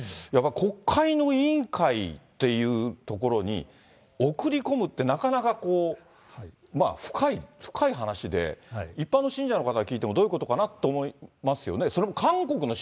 国会の委員会という所に送り込むって、なかなかこう、深い、深い話で、一般の信者の方が聞いてもどういうことかなって思いますよね。